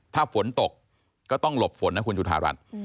ถ้าฝนตกก็ต้องหลบฝนนะคุณจุธารัฐ